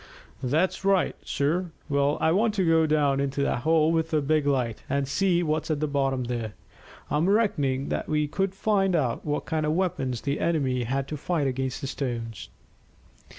"That's right, sir. Well, I want to go down into that hole with a big light, and see what's at the bottom there. I'm reckoning that we could find out what kind of weapons the enemy had to fight against the stones."